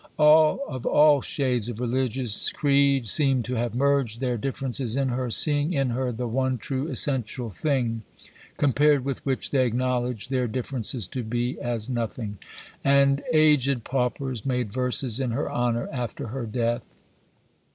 All, of all shades of religious creed, seemed to have merged their differences in her, seeing in her the one true essential thing, compared with which they acknowledged their differences to be as nothing. And aged paupers made verses in her honour after her death.